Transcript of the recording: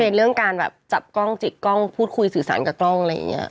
เรื่องการแบบจับกล้องจิกกล้องพูดคุยสื่อสารกับกล้องอะไรอย่างนี้